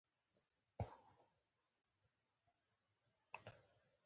د مفکورې د ځواک په هکله دغه هيښوونکې کيسه مشهوره ده.